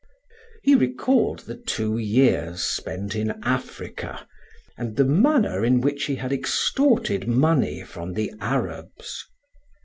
He recalled the two years spent in Africa, and the manner in which he had extorted money from the Arabs.